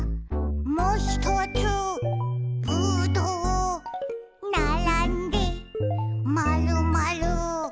「もひとつぶどう」「ならんでまるまる」